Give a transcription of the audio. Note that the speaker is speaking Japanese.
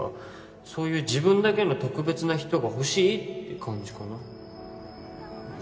そういう自分だけの特別な人がほしいって感じかな